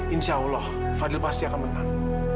insya allah fadil pasti akan menang